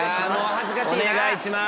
お願いします。